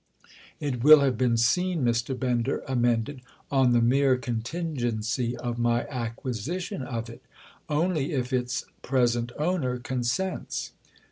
"It will have been seen," Mr. Bender amended—"on the mere contingency of my acquisition of it—only if its present owner consents."